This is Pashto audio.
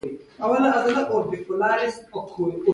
هر خرڅ د زړورتیا یو ګام دی.